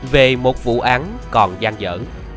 về một vụ án còn gian dở